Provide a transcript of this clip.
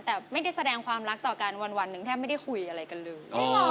แต่ไม่ได้แสดงความรักต่อกันวันหนึ่งแทบไม่ได้คุยอะไรกันเลย